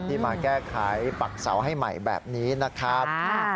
มาแก้ไขปักเสาให้ใหม่แบบนี้นะครับ